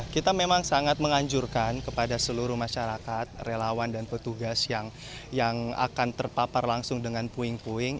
kita memang sangat menganjurkan kepada seluruh masyarakat relawan dan petugas yang akan terpapar langsung dengan puing puing